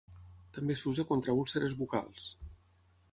També s'usa contra úlceres bucals.